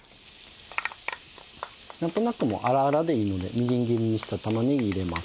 なんとなくもう粗々でいいのでみじん切りにした玉ねぎ入れます。